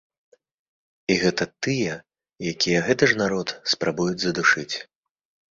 І гэта тыя, якія гэты ж народ спрабуюць задушыць.